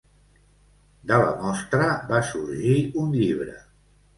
De la mostra, va sorgir un llibre.